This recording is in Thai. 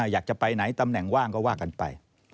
อยากจะไปไหนตำแหน่งว่างก็ว่ากันไป